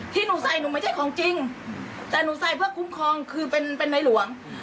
ที่หนูใส่หนูไม่ใช่ของจริงแต่หนูใส่เพื่อคุ้มครองคือเป็นเป็นในหลวง